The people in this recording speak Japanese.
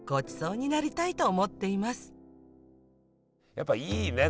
やっぱいいね